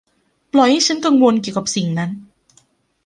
ปล่อยให้ฉันกังวลเกี่ยวกับสิ่งนั้น